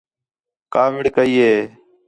کاوِڑ کَئی ہِے